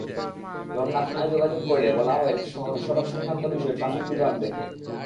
রমনা থানায় যোগাযোগ করলে বলা হয়, সড়কসংক্রান্ত বিষয় ট্রাফিক বিভাগ দেখে।